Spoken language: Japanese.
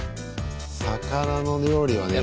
魚の料理はね